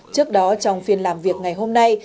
trước đó trong phiên làm việc ngày hôm nay